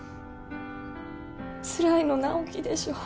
つらいの直木でしょ？